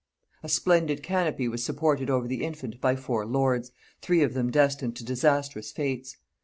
A splendid canopy was supported over the infant by four lords, three of them destined to disastrous fates.